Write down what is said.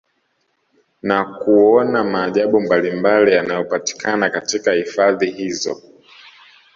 Na kuona maajabu mbalimbali yanayopatikana katika hifadhi hizo